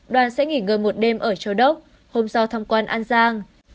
đoàn sẽ nghỉ ngơi một đêm ở châu đốc hôm sau thăm quan an giang